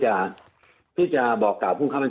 สวัสดีครับทุกคน